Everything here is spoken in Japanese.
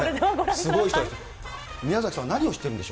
すごい人です。